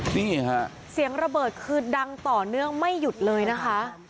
นี่ฮะเสียงระเบิดคือดังต่อเนื่องไม่หยุดเลยนะคะ